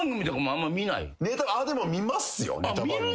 見ますよネタ番組。